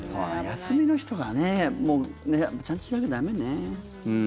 休みの日とかちゃんとしなきゃ駄目ね。